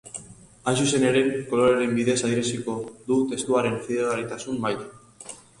Hain zuzen ere, koloreen bidez adieraziko du testuaren fidagarritasun maila.